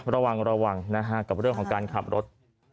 ระหว่างกับเรื่องของการขับรถ